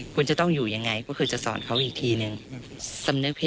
เกียรติมือ